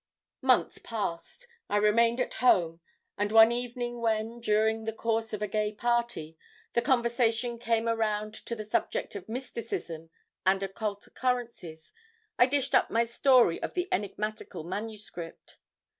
..... "Months passed. I remained at home, and one evening when, during the course of a gay party, the conversation came around to the subject of mysticism and occult occurrences, I dished up my story of the enigmatical manuscript.